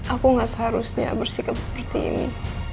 aku gak seharusnya bersikap seperti ini